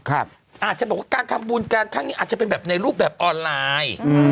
อาจจะบอกว่าการทำบุญการครั้งนี้อาจจะเป็นแบบในรูปแบบออนไลน์